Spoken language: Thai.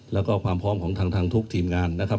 แล้วก็ความพร้อมของทางทุกทีมงานนะครับ